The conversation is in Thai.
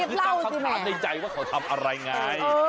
คือตั้งคำถามในใจว่าเขาทำอะไรไง